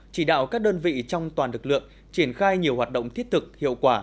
chỉ đạo các đơn vị trong toàn lực lượng triển khai nhiều hoạt động thiết thực hiệu quả